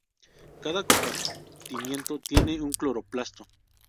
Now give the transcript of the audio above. Cada compartimento tiene un cloroplasto.